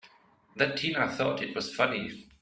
That Tina thought it was funny!